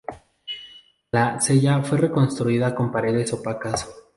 La "cella" fue reconstruida con paredes opacas.